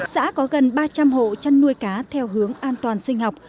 xã có gần ba trăm linh hộ chăn nuôi cá theo hướng an toàn sinh học